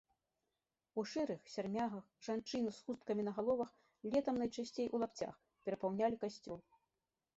У шэрых сярмягах жанчыны, з хусткамі на галовах, летам найчасцей у лапцях, перапаўнялі касцёл.